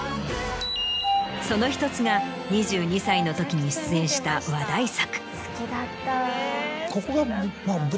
その１つが２２歳のときに出演した話題作。